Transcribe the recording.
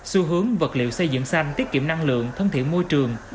xu hướng vật liệu xây dựng xanh tiết kiệm năng lượng thân thiện môi trường